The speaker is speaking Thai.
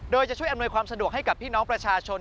โดยจะช่วยอำนวยความสะดวกให้กับพี่น้องประชาชน